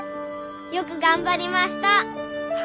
よく頑張りました！